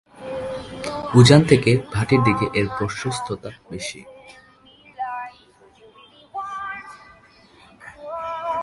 উজান থেকে ভাটির দিকে এর প্রশস্ততা বেশি।